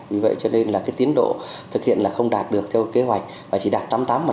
vì vậy cho nên là cái tiến độ thực hiện là không đạt được theo kế hoạch và chỉ đạt tám mươi tám